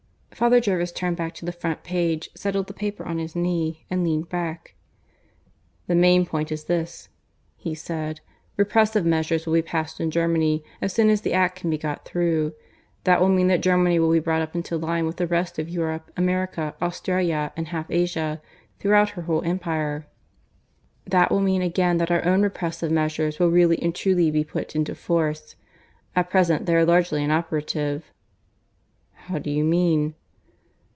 Father Jervis turned back to the front page, settled the paper on his knee, and leaned back. "The main point is this," he said. "Repressive measures will be passed in Germany, as soon as the act can be got through. That will mean that Germany will be brought up into line with the rest of Europe, America, Australia, and half Asia, throughout her whole empire. That will mean again that our own repressive measures will really and truly be put into force. At present they are largely inoperative." "How do you mean?"